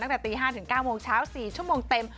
ตั้งแต่ตี๕ถึง๙โมงเช้า๔ชั่วโมงเต็ม